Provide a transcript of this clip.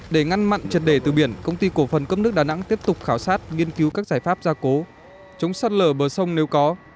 để ngăn mặn trật đề từ biển công ty cổ phần cấp nước đà nẵng tiếp tục khảo sát nghiên cứu các giải pháp gia cố chống sát lở bờ sông nếu có